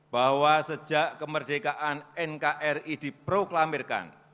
bahwa sejak kemerdekaan nkri diproklamirkan